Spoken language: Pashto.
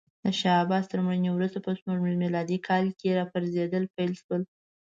د شاه عباس تر مړینې وروسته په سپوږمیز میلادي کال کې راپرزېدل پیل شول.